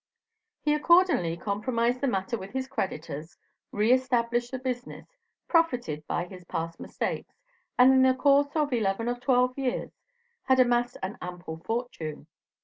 He accordingly compromised the matter with his creditors, re established the business, profited by his past mistakes, and in the course of eleven or twelve years had amassed an ample fortune.